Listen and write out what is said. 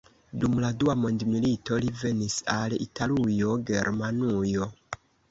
Dum la dua mondmilito li venis al Italujo, Germanujo.